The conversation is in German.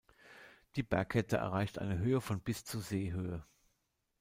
Die Bergkette erreicht eine Höhe von bis zu Seehöhe.